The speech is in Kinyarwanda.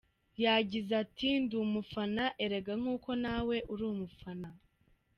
Yagize ati” “Ndi umufana erega nk’uko nawe uri umufana.